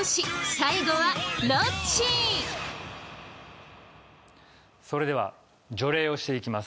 最後はそれでは除霊をしていきます